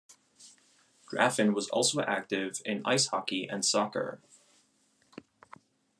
Draffin was also active in ice hockey and soccer.